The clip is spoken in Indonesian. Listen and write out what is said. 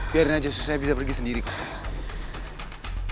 biarin aja saya bisa pergi sendiri kok